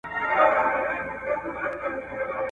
ته کامیاب یې تا تېر کړی تر هرڅه سخت امتحان دی !.